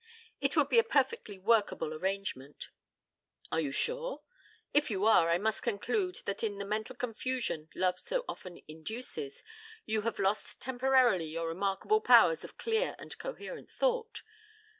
It would be a perfectly workable arrangement." "Are you sure? If you are, I must conclude that in the mental confusion love so often induces, you have lost temporarily your remarkable powers of clear and coherent thought.